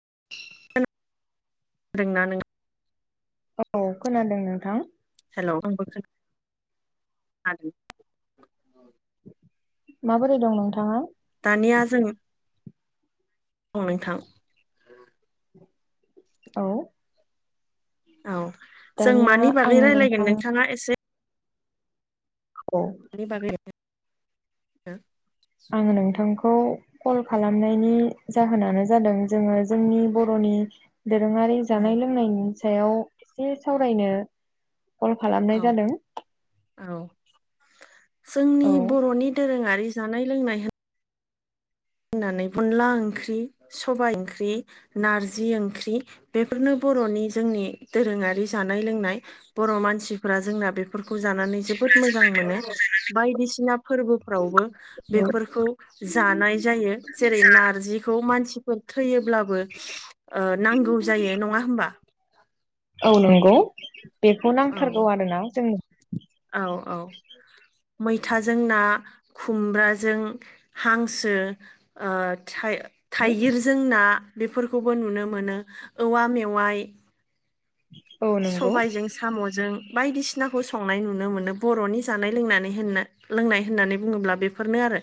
[unintelligible] औ खोनादों नोंथां। हेल' आंबो खोनादों। माबोरै दं नोंथाङा? दानिया जों औ नोंथां। औ। औ जों दानिया मानि आं बागै रायज्लायगोन नोंथांखौ नोंथाङा एसे मानि बागै? आङो नोंथांखौ कल खालामनायनि जाहोनानो जादों जोङो जोंनि बर'नि नि दोरोङारि औ जानाय लोंनायनि सायाव एसे सावरायनो। कल खालामनाय औ जादों। औ जोंनि औ बर'नि दोरोङारि जानाय लोंनाय होनानै अनला ओंख्रि सबाइ ओंख्रि, नारजि ओंख्रि, बेफोरनो बर'नि जोंनि दोरोङारि जानाय लोंनाय बर' मानसिफ्रा जोंना बेफोरखौ जानानै जोबोद जोबोद मोजां मोनो बायदिसिना फोरबोफ्रावबो बेफोरखौ जानाय जायो जेरै नारजिखौ मानसिफोर थैयोब्लाबो नांगौ जायो नङा। होमबा। औ नंगौ बेखौ औ नांथारगौ आरोना जोंनो औ औ। मैथाजों ना खुमब्राजों हांसो थाइगिरजों ना बेफोरखौबो नुनो मोनो औवा मेवाइ औ नंगौ सबायजों साम'जों। बायदिसिनाखौ संनाय नुनो मोनो बर'नि जानाय लोंनानै लोंनाय होननानै बुङोब्ला बेफोरनो। आरो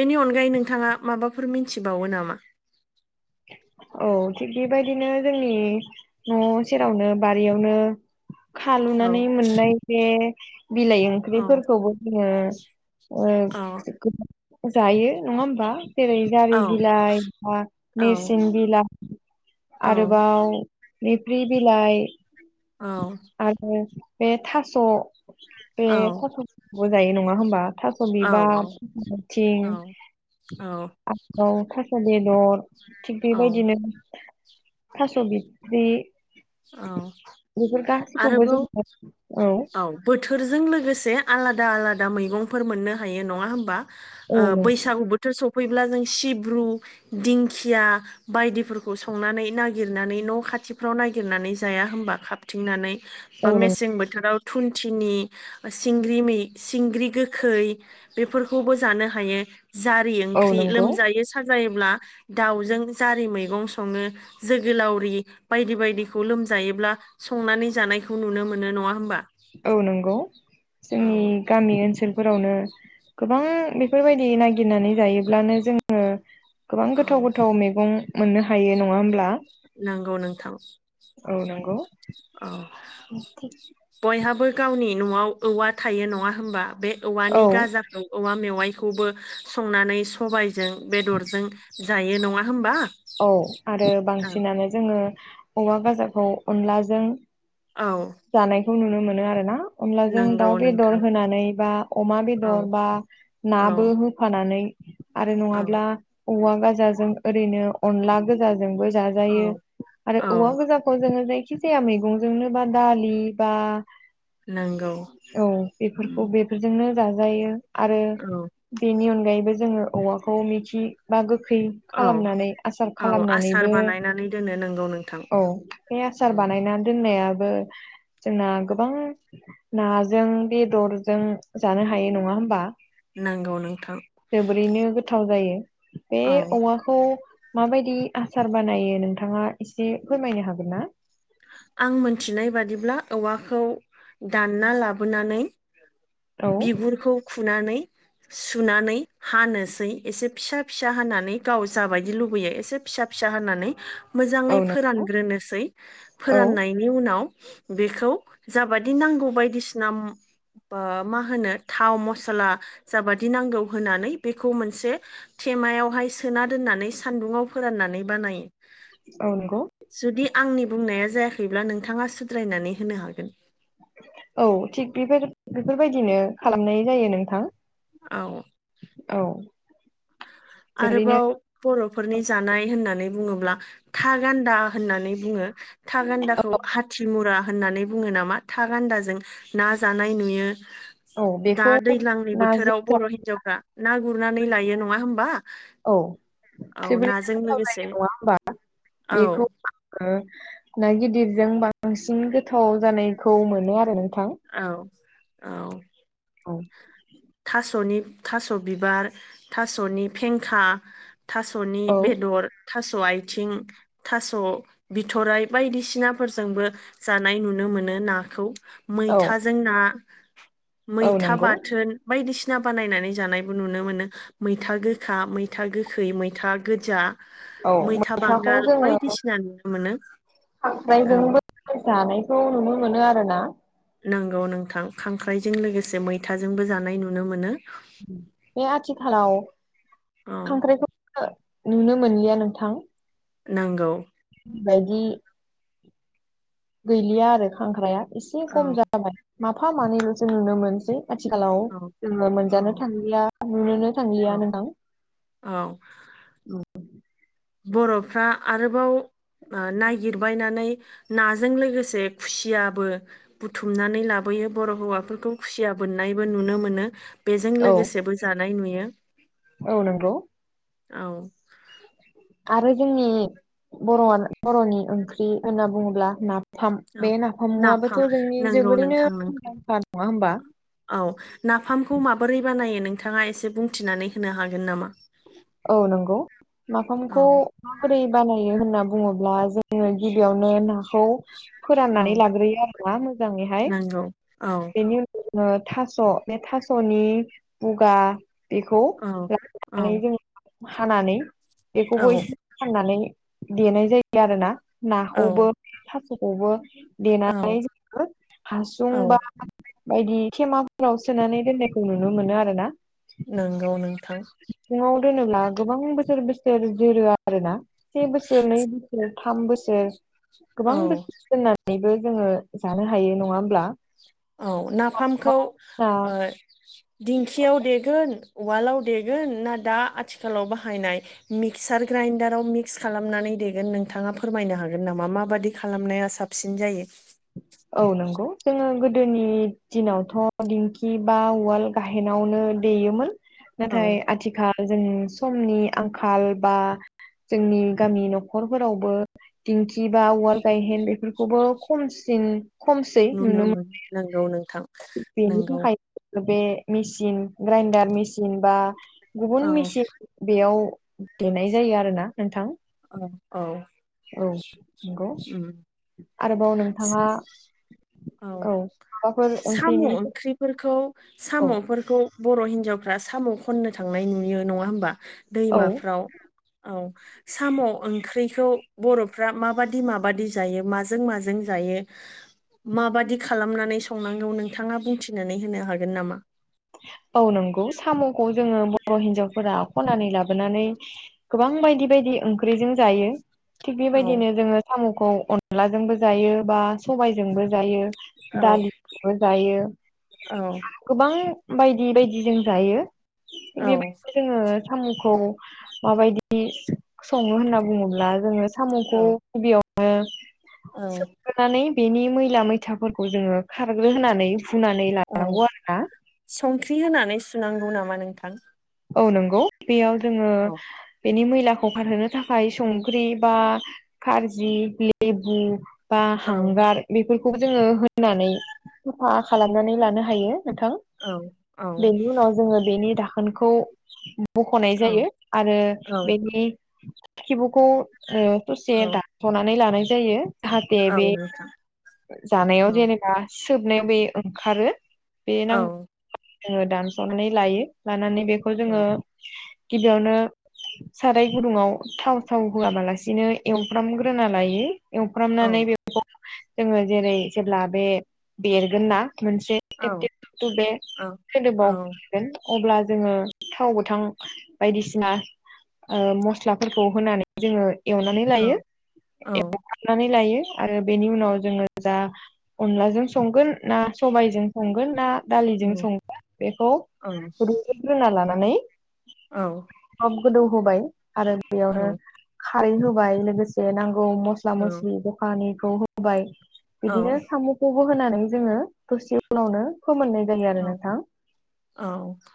बेनि अनगायै नोंथाङा माबाफोर मिथिबावो नामा? [inaudible] औ थिग बेबायदिनो जोंनि न' सेरावनो बारियावनो औ खालुनानै मोननाय बे बिलाइ औ ओंख्रिफोरखौबो जोङो ओ औ जायो नङा होमबा जेरै जारि औ बिलाइ बा औ नेरसिं बिलाइ औ आरोबाव मेफ्रि बिलाइ औ। आरो बे थास' बे औ थास'बो जायो नङा होमबा? थास' औ बिबार, थास' आथिं औ औ आरोबाव थास' बेदर थिग बेबायदिनो थास' बिथरि। औ आरोबाव औ बोथोरजों लो गोसे आलादा आलादा मैगंफोर मोननो हायो नङा होनबा? औ नंगौ बैसागु बोथोर सफैब्ला जों सिब्रु दिंखिया बायदिफोरखौ संनानै ना गिरनानै न' खाथिफ्राव नागिरनानै जाया होनबा खाथिंनानै बा औ नंगौ मेसें बोथोराव थुन्थिनि सिंग्रि सिंग्रि गोखै बेफोरखौबो जानो हायो। जारि औ ओंख्रि नंगौ लोमजायो साजायोब्ला दाउजों जारि मैगं सङो। जोगोलावरि बायदि बायदिखौ लोमजायोब्ला संनानै जानायखौ नुनो मोनो नङा होमबा? औ नंगौ जोंनि औ गामि ओन सोलफोरावनो गोबां बेफोरबायदि नागिरनानै जायोब्लानो जोङो गोबां औ गोथाव गोथाव मैगं मोननो हायो नङा होमब्ला? नंगौ नोंथां। औ नंगौ। औ बयहाबो गावनि न'आव औवा थायो नङा होनबा? बे औ औवानि गाजाखौ औवा मेवाइखौबो संनानै सबायजों बेदरजों जायो नङा होमबा? औ आरो औ बांसिनानो जोङो औवा गाजाखौ अनलाजों औ। जानायखौ नुनो मोनो आरो ना। अब्ला जों नंगौ दाउ बेदर नोंथां होनानै बा अमा औ बेदर बा नाबो औ होफानानै आरो औ नङाब्ला औवा गाजाजों ओरैनो अनला गोजा जोंबो जाजायो औ आरो औवा औ गाजाखौ जोङो जाय खिजाया मैगंजोंनो बा दालि बा नंगौ औ बेफोरखौ बेफोरजोंनो जाजायो आरो औ बेनि अनगायैबो जोङो औवा खौ मिथि बा गोखै औ खालामनानै औ आसार खालामनानैबो बानायनानै दोनो नंगौ नोंथां औ आसार उम बानायना दोनायाबो जोंना गोबां नाजों बेदरजों जानो हायो नङा होनबा, नंगौ नोंथां जोबोरैनो गोथाव जायो। बे औ औवाखौ माबायदि आसार बानायो नोंथाङा एसे फोरमायनो हागोन ना? आं मोनथिनाय बादिब्ला औवाखौ दानना लाबोनानै औ बिगुरखौ खुनानै सुनानै हानोसै एसे फिसा फिसा हानानै गाव जाबायदि लुबैयो एसे फिसा फिसा हानानै औ मोजाङै नंगौ फोरानग्रोनोसै, औ फोराननायनि उनाव बेखौ जाबादि नांगौ बायदिसिना ओ मा होनो थाव मसला जाबादि नांगौ होनानै बेखौ मोनसे थेमायावहाय सोना दोन्नानै सान्दुुङाव फोराननानै बानायो। औ नंगौ। जुदि आंनि बुंनाया जायाखैब्ला नोंथाङा सुद्रायनानै होनो हागोन। औ थिग बेफोर बेफोरबायदिनो खालामनाय जायो नोंथां। औ। औ। जोबोरैनो आरोबाव बर' फोरनि जानाय होननानै बुङोब्ला था गान्दा होननानै बुङो। थागान्दाखौ हाथिमुरा होननानै बुङो नामा? थागान्दाजों ना जानाय नुयो। औ दा बेखौ दैज्लांनि नाजों बोथोराव जा बर' हिनजावफ्रा ना गुरनानै लायो न नङा होनबा? औ औ जोबोरैनो नाजों गोथाव जायो लोगोसे नङा होमबा औ बेखौ ना गिदिरजों बांसिन गोथाव जानायखौ मोनो आरो। नोंथां औ औ। औ। थास'नि थास' बिबार थास'नि फेंखा थास'नि औ बेदर, थास' आथिं, थास' बिथराइ बायदिसिनाफोरजोंबो जानाय नुनो मोन मोनो नाखौ, औ मैथाजों ना औ मैथा नंगौ बाथोन, बायदिसिना बानायनानै जानायबो नुनो मोनो मैथा गोखा, मैथा गोखै, मैथा गोजा। औ मैथा मैथाखौ बांगाल जोङो बायदिसिना नुनो मोनो औ। खांख्राइजोंबो जानायखौ नुनो मोनो आरो ना? नंगौ नोंथां खांख्राइजों लोगोसे मैथाजोंबो जानाय नुनो मोनो। बे आथिखालाव औ। खांख्राइखौ नुनो मोनलिया नोंथां। नोंगौ। बायदि गैलिया आरो खांख्राया एसे खम औ जाबाय माफा मानैलसो नुनो मोनसै। आथिखालाव औ जोङो औ मोनजानो थांलिया नुनोनो थांलिया औ नोंथां [inaudible] बर'फ्रा आरोबाव नायागिरबायनानै नाजों लोगोसे खुसियाबो बुथुमनानै लाबोयो। बर' हौवाफोरखौ खुसिया बोननायबो नुनो मोनो। बेजों औ लोगोसेबो जानाय नुयो औ नंगौ औ। आरो जोंनि बर'आ बर'नि ओंख्रि होनना बुङोब्ला ना फाम औ बे नाफाम नाफामुआाबबोथ' जोंनि नंगौ जोबोरैनो नोंथां नोंगौ खुंदांखा नङा होमबा? औ नाफामखौ माबोरै बानायो नोंथाङा एसे बुंथिनानै होनो हागोन नामा? औ नंगौ औ माफामखौ माबोरै बानायो होनना बुङोब्ला जों जोङो गिबियावनो नाखौ फोराननानै औ लाग्रोयो आरोना मोजाङैहाय नंगौ औ बेनि उनाव जोङो थास' बे थास'नि बुगा बेखौ औ औ लानानै जों हानानै बेखौबो औ एसे हनानै देनाय जायो आरोना। नाखौबो औ थास'खौबो देनानै औ जोङो हासुं औ बा बायदि थेमा। फाव सोनानै दोननायखौ नुनो मोनो आरो ना। नोंगौ नोंथां। रोनोब्ला गोबां बोसोर बोसोर जोरो आरोना। से बोसोर नै बोसोर थाम बोसोर गोबां औ बोसोर दोनना नैबो जोङो जानो हायो नङा होमब्ला? औ ।नाफामखौ ओ दिंखियाव देगोन उवालाव देगोन ना दा आथिखालाव बाहायनाय मिक्सार ग्रे इडाराव मिक्स खालामनानै देगोन नोंथाङा फोरमायनो हागोन नामा मााबादि खालामनाया साबसिन जायो? औ नंगौ जोङो गोदोनि दिनावथ' दिंखि बा उवाल गाहेनावनो देयोमोन। नाथाय औ आथिखाल जों समनि आंखाल बा जोंनि गामि न'खरफोरावबो दिंखि बा औवाल गायहेन बेफोरखौबो खमसिन नुनो मोनो नंगौ नोंथां बेनि नोंगौ। थाखाय बे मेचिन ग्राइडार मेचिन बा औ गुबुन मेचिन बेयाव गेनाय जायो आरो ना नोंथां औ औ औ नंगौ उम आरोबाव नोंथाङा औ माबाफोर साम' ओंख्रिनि ओंख्रिफोरखौ औ साम'फोरखौ बर' हिनजावफ्रा साम' खननो थांनाय नुयो नङा होमबा औ दैमाफ्राव औ साम' ओंख्रिखौ बर'फ्रा माबादि माबादि जायो मा माजों माजों जायो। माबादि खालामनानै संनांगौ नोंथाङा बुंथिनानै होनो हागोन नामा? औ नंगौ साम'खौ जोङो बर' हिनजावफोरा ख'नानै लाबोनानै गोबां बायदि बायदि ओंख्रिजों जायो। थिग औ बेबायदिनो जोङो साम'खौ अनलाजोंबो जायो बा सबायजोंबो जायो। औ दालिबो जायो औ गोबां। बायदि बायदि जों जायो औ बेबायदिनो जोङो। साम'खौ माबायदि सङो होनना बुङोब्ला जोङो साम'खौ औ गिबियाव औ सोमनानै बेनि मैला मैथाफोरखौ जोङो खारग्रो होनोनानै सनानानैला औ आरो ना। संख्रि होनानै सुनांगौ नामा नोंथां औ नंगौ बेयाव जोङो। औ बेनि मैलाखौ खारहोनो थाखाय संख्रि बा खाजि लेबु बा औ हांगार बेफोरखौबो जोङो होननानै साफा खालामनानै लानो हायो। नोंथां औ औ बेनि उनाव जोङो बेनि दाखोनखौ। बख'नाय औ जायो आरो औ बेनि खिबुखौ ससे औ दानस'नानै लानाय जायो। जाहाथे औ बे नोंथां जानायाव औ जेनेबा सोबनायाव बे ओंखारो। बे औ नांगौ जोङो दानस'नानै लायो लानानै बेखौ औ जोङो। गिबियावनो साराय गुदुंङाव थाव थाव होआबालासिनो एवफ्रामग्रोना लायो। औ एवफ्रामनानै बेफोरखौ जोङो जेरै जेब्ला बे दरगोन ना। मोनसे औ बे औ औ सोदोबाव अब्ला जोङो थाव गोथां बायदिसिना मस्लाफोरखौ होनानै जोङो। एवनानै लायो औ एवनानै लायो। आरो बेनि उनाव जोङो जा अनलाजों संगोन ना सबायाइजों संगोन ना दालिजों औ संगोन बेखौ रुग्रोना लानानै। सब गोदौ होबाय आरो बेयावनो खारै होबाय लोगोसे नांगौ। मसला मस्लि दखानिखौ होबाय बिदिनो साम'खौबो होनानै। जोङो दसे उनावनो फोमोननाय जायो आरो नोंथां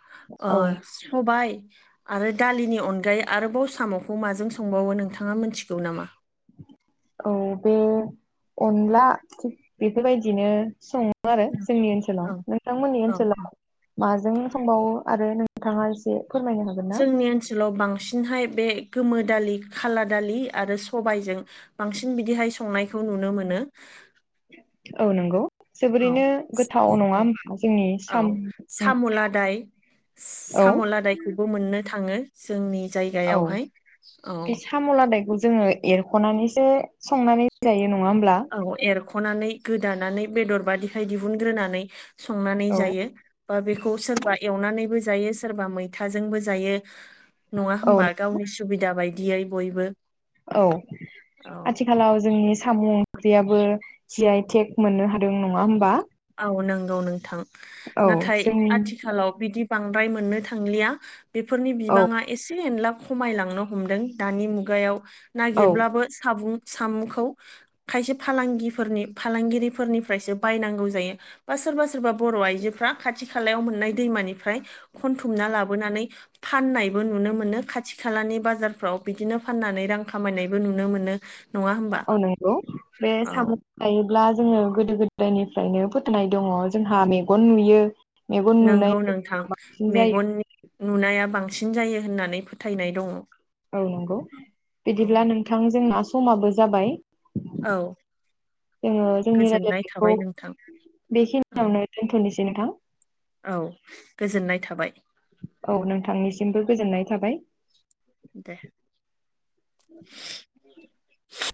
अ औ सबाय। आरो दालिनि अनगायै आरोबाव साम'खौ माजों संबावो नोंथाङा मोनथिगौ नामा? औ बे अनला बेफोरबायदिनो सङो। आरो जोंनि ओनसोलाव औ नोंथांमोननि औ ओनसोलाव माजों संबावो आरो थांा [unintelligible] यसे जोंनि ओनसोलाव बांसिन हाय बे गोमोन दालि खाला दालि आरो सबायजों बांसिन बिदिहाय संनायखौ नुनो मोनो। औ नंगौ औ जोबोरैनो गोथाव औ नङा होमब्ला जोंनि साम' औ साम' ओंख्रिया लादाय साम' लादायखौबो मोननो थाङो जोंनि औ जायगायावहाय औ बे साम' लादायखौ जोङो एरख'नानैसो संनानै जायो नङा होमब्ला। सख'नानै गोदानानै बेदर बादिखाय दिहुनग्रोनानै संनानै औ जायो। बा बेखौ सोर। नङा औ होनोमबा गावनि सुबिदा बायदियै बयबो औ औ आथिखालाव जोंनि। साम' ओंख्रियाबो जि आइ टेक मोननो हादों नङा होमबा। औ नंगौ नोंथां औ नाथाय जोंनि आथिखालाव बिदि बांद्राय मोननो थांलिया बेफोरनि औ बिबाङा एसे एनलाब खमायलांनो हमदों दानि मुगायाव औ नागिरब्लाबो सामुं। सामखौ खायसे फालांगिफोरनि फालांगिरिफोरनिफ्रायसो बायनांगौ। सोरबा बा बर' आयजोरा खाथि खालनाय दैमाफ्राय खथुमना लाबोनानै। फाननायबो नुनो मोनो खाथि खालानि बाजारफ्राव बिदिनो फाननानै रां खामायनायबो नुनो मोनो। मोनो। औ नगौ' बे औ साम' खा ब्ला जोङो गोदो गोदायनिफ्रायनो फोथनाय दङ जोंहा मेगन नुयो। मेगन नुनाय नंगौ नोंथां बांसिन जायो मेगननि नुनाया बां बांसिन जायो होननानै फोथायनाय दङ। औ नंगौ बिदिब्ला औ नोंथां जोंना समाबो जाबाय। औ। जोङो जोंनि गोजोननाय रायलायनायखौ थाबाय नोंथां औ बेखिनियावनो दोनथ'नोसै नोंथां। औ गोजोननाय थाबाय औ नोंथांनिसिमबो गोजोननाय थाबाय। दे।